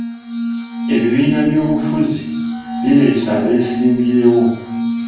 Ebibiina by'obufuzi bireese abesimbyewo.